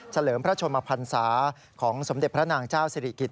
เลิมพระชนมพันศาของสมเด็จพระนางเจ้าสิริกิจ